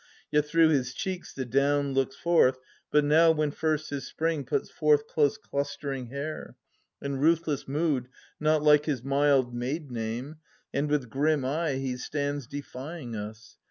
Yet through his cheeks the down looks forth but now When first his spring puts forth close clustering hair. In ruthless mood, not like his mild maid name. And with grim eye, he stands defying us.